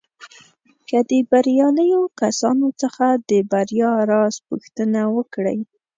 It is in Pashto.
که د برياليو کسانو څخه د بريا راز پوښتنه وکړئ.